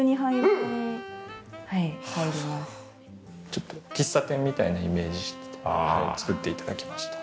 ちょっと喫茶店みたいなイメージしてて作って頂きました。